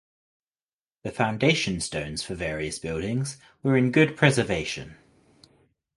The foundation stones for various buildings were in good preservation.